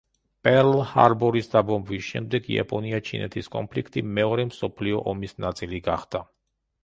პერლ-ჰარბორის დაბომბვის შემდეგ იაპონია-ჩინეთის კონფლიქტი მეორე მსოფლიო ომის ნაწილი გახდა.